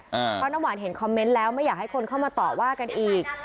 เพราะน้ำหวานเห็นคอมเมนต์แล้วไม่อยากให้คนเข้ามาต่อว่ากันอีก